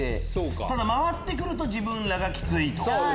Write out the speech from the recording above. ただ回って来ると自分らがきつい。